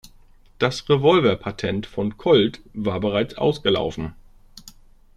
Das Revolver-Patent von Colt war bereits ausgelaufen.